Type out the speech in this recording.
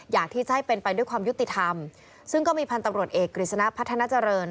อยากที่จะให้เป็นไปด้วยความยุติธรรมซึ่งก็มีพันธุ์ตำรวจเอกกฤษณะพัฒนาเจริญ